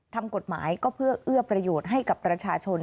ทำกฎหมายก็เพื่อเอื้อประโยชน์ให้กับประชาชน